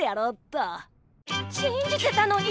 信じてたのに！